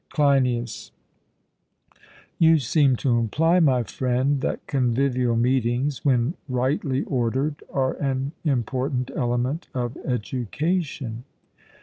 CLEINIAS: You seem to imply, my friend, that convivial meetings, when rightly ordered, are an important element of education.